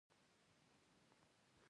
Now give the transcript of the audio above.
نجلۍ د ژوند ښکلا ده.